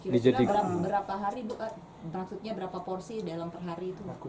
kira kira berapa hari berapa porsi dalam per hari itu